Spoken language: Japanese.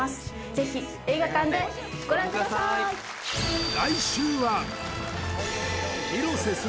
ぜひ映画館でご覧くださーいすごーい！